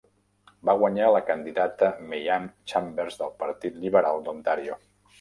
Va guanyar la candidata May Anne Chambers del Partit Lliberal d'Ontario.